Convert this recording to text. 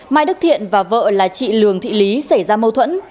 mai đức thiện và vợ là chị lường thị lý xảy ra mâu thuẫn